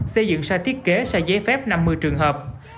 xây dựng sai thiết kế sai giấy phép năm mươi trường hợp